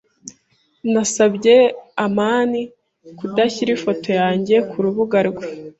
Nasabye amani kudashyira ifoto yanjye kurubuga rwe.